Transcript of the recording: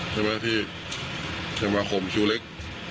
ใช่ไหมที่สมาคมคิวเล็ก